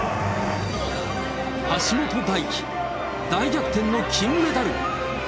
橋本大輝、大逆転の金メダル。